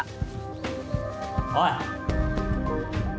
おい！